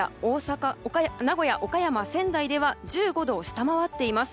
名古屋、岡山、仙台では１５度を下回っています。